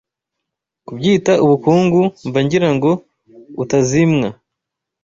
Kubyita ubukungu Mba ngira ngo utazimwa